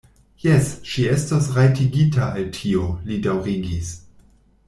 Jes, ŝi estos rajtigita al tio, li daŭrigis.